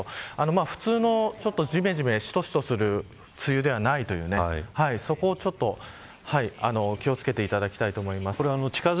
普通のじめじめ、しとしとする梅雨ではないというそこを気を付けていただきたいと思います。